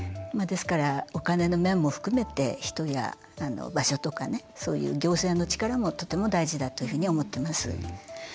ですから、お金の面も含めて人や場所とかそういう行政の力もとても大事だというふうに思ってます。